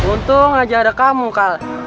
untung aja ada kamu kak